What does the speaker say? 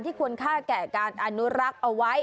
ควรค่าแก่การอนุรักษ์เอาไว้